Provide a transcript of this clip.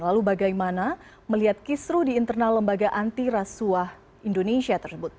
lalu bagaimana melihat kisru di internal lembaga antirasuah indonesia tersebut